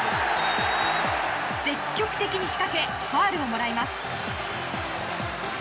積極的に仕掛けファウルをもらいます。